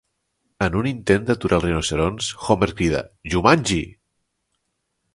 En un intent d'aturar els rinoceronts, Homer crida Jumanji!